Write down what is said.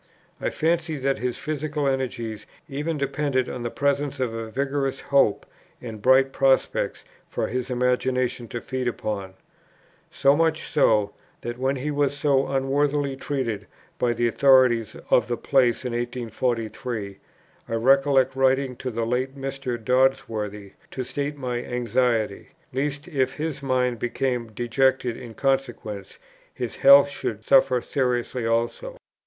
I fancied that his physical energies even depended on the presence of a vigorous hope and bright prospects for his imagination to feed upon; so much so, that when he was so unworthily treated by the authorities of the place in 1843, I recollect writing to the late Mr. Dodsworth to state my anxiety, lest, if his mind became dejected in consequence, his health should suffer seriously also.